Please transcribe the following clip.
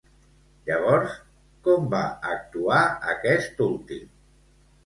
Llavors, com va actuar aquest últim?